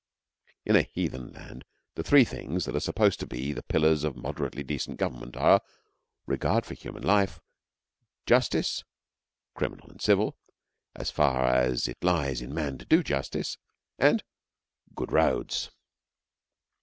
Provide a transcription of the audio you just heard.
In a heathen land the three things that are supposed to be the pillars of moderately decent government are regard for human life, justice, criminal and civil, as far as it lies in man to do justice, and good roads.